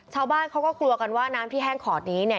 ชาวบ้านเขาก็กลัวกันว่าน้ำที่แห้งขอดนี้เนี่ย